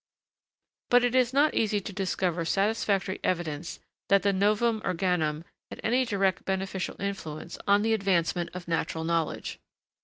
] But it is not easy to discover satisfactory evidence that the 'Novum Organum' had any direct beneficial influence on the advancement of natural knowledge.